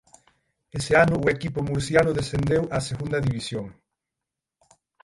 Ese ano o equipo murciano descendeu a Segunda División.